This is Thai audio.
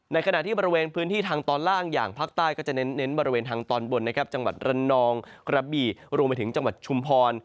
ขณะที่บริเวณพื้นที่ทางตอนล่างอย่างภาคใต้ก็จะเน้นบริเวณทางตอนบนนะครับจังหวัดระนองกระบี่รวมไปถึงจังหวัดชุมพร